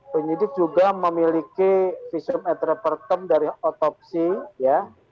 penyidik juga memiliki visum et repertum dari otopsi ya